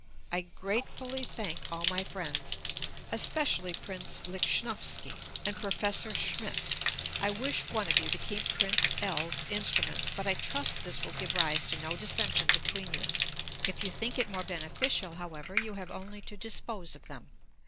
I gratefully thank all my friends, especially Prince Lichnowsky and Professor Schmidt. I wish one of you to keep Prince L 's instruments; but I trust this will give rise to no dissension between you. If you think it more beneficial, however, you have only to dispose of them.